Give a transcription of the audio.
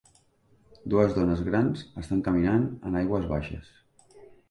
Dues dones grans estan caminant en aigües baixes.